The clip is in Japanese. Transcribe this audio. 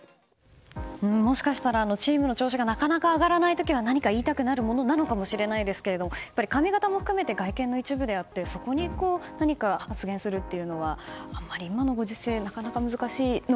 もしかしたらチームの調子がなかなか上がらないときは何か言いたくなるかもしれませんが髪形も含めて外見の一部であってそこに何か発言するというのはあまり今のご時世